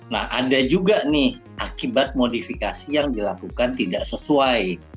nah ada juga nih akibat modifikasi yang dilakukan tidak sesuai